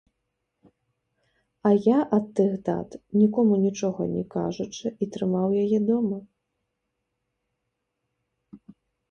А я, ад тых дат, нікому нічога не кажучы, і трымаў яе дома.